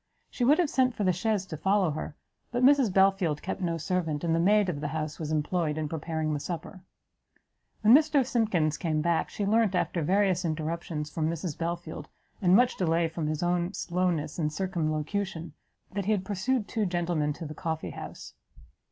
She would have sent for the chaise to follow her; but Mrs Belfield kept no servant, and the maid of the house was employed in preparing the supper. When Mr Simkins came back, she learnt, after various interruptions from Mrs Belfield, and much delay from his own slowness and circumlocution, that he had pursued the two gentlemen to the coffee house.